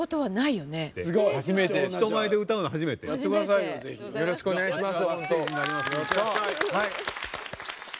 よろしくお願いします。